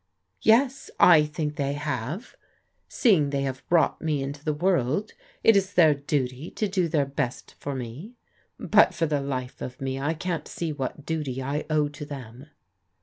*' "Yes, I think they have. Seeing they have brought me into the world it is their duty to do their best for me: but, for the life of me, I can't see what duty I owe to them."